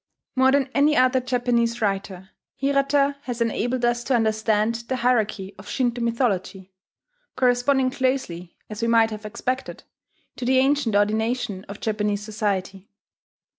More than any other Japanese writer, Hirata has enabled us to understand the hierarchy of Shinto mythology, corresponding closely, as we might have expected, to the ancient ordination of Japanese society.